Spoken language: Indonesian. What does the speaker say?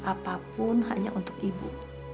apapun hanya untuk ibu